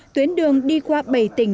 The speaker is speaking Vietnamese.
tuyến đường đi qua bảy tỉnh